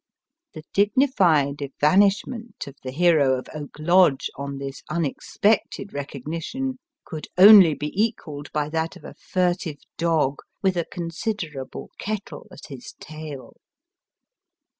The dignified evanish ment of the hero of Oak Lodge, on this unexpected recognition, could only bo equalled by that of a furtive dog with a considerable kettle at his tail.